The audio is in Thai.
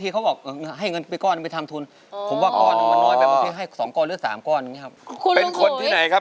ใช้มือครับ